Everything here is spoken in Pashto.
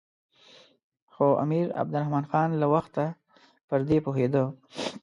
خو امیر عبدالرحمن خان له وخته پر دې پوهېده.